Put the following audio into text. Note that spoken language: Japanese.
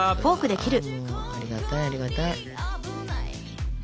ありがたいありがたい。